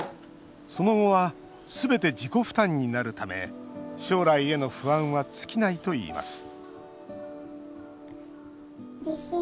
その後は、すべて自己負担になるため将来への不安は尽きないといいます